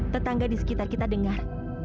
tetangga di sekitar kita dengar